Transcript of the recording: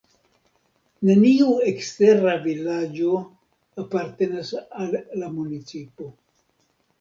Neniu ekstera vilaĝo apartenas al la municipo.